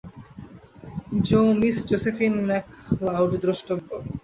জো Miss Josephine MacLeod দ্রষ্টব্য।